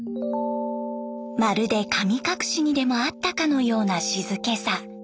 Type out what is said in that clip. まるで神隠しにでもあったかのような静けさ。